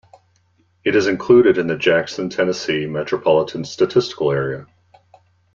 It is included in the Jackson, Tennessee Metropolitan Statistical Area.